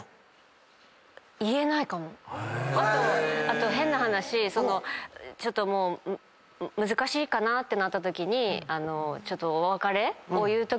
あと変な話ちょっともう難しいかなってなったときに。